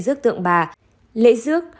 rước tượng bà lễ rước